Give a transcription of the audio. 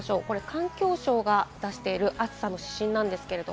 環境省が出している暑さの指針です。